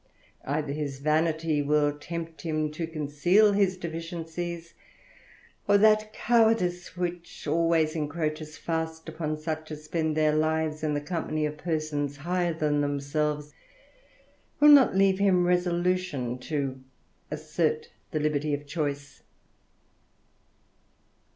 Either his vanity will tempt him to conceal his deficiencies, or that cowardice, which always encroaches fest upon such as spend their lives in the company of persons higher than themselves, will not leave him resolution to assert the liberty of choice.